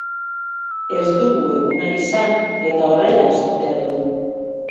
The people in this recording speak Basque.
Ez dugu eguna izan eta horrela esan behar dugu.